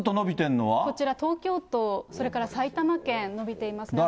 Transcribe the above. こちら東京都、それから埼玉県、伸びていますね。